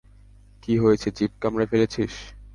কি হয়েছে, জিভ কামড়ে ফেলেছিস?